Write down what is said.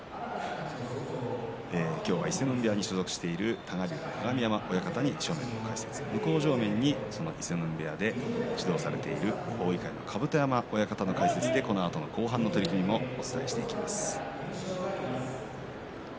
今日は伊勢ノ海部屋に所属している多賀竜の鏡山親方に正面の解説向正面に、その伊勢ノ海部屋で指導されている大碇の甲山親方の解説で、このあとの後半の取組もお伝えしていきます。